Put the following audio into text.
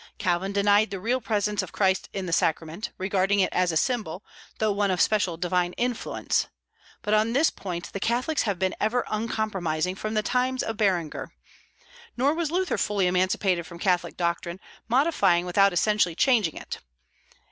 Calvin denied the real presence of Christ in the Sacrament, regarding it as a symbol, though one of special divine influence. But on this point the Catholics have ever been uncompromising from the times of Berengar. Nor was Luther fully emancipated from the Catholic doctrine, modifying without essentially changing it.